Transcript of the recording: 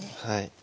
はい。